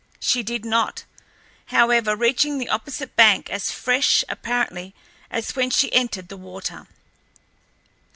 She did not, however, reaching the opposite bank as fresh, apparently, as when she entered the water.